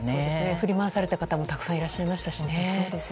振り回された方がたくさんいらっしゃいましたしね。